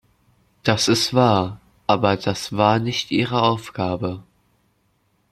Das ist wahr, aber das war nicht Ihre Aufgabe.